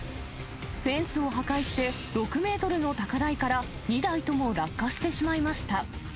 フェンスを破壊して、６メートルの高台から２台とも落下してしまいました。